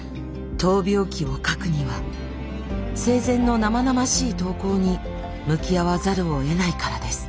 闘病記を書くには生前の生々しい投稿に向き合わざるをえないからです。